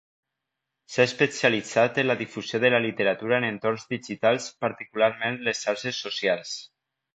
S'ha especialitzat en la difusió de la literatura en entorns digitals, particularment les xarxes socials.